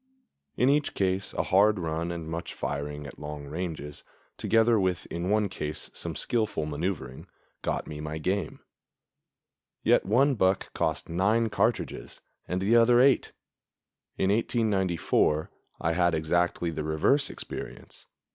In each case a hard run and much firing at long ranges, together with in one case some skillful maneuvering, got me my game; yet one buck cost nine cartridges and the other eight. In 1894 I had exactly the reverse experience.